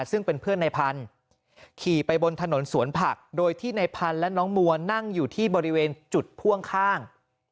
ซึ่งเป็นเพื่อนในพันธุ์ขี่ไปบนถนนสวนผักโดยที่ในพันธุ์และน้องมัวนั่งอยู่ที่บริเวณจุดพ่วงข้าง